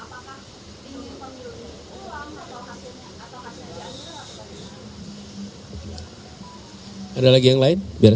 apa sebetulnya yang dikutipkan dari